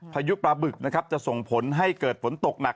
พยุดปลาบึกจะส่งผลให้เกิดฝนตกหนัก